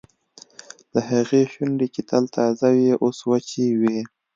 د هغې شونډې چې تل تازه وې اوس وچې وې